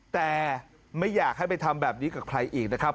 แต่ไม่อยากให้ไปทำแบบนี้กับใครอีกนะครับ